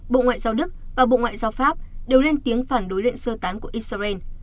bộ ngoại giao đức và bộ ngoại giao pháp đều lên tiếng phản đối lệnh sơ tán của israel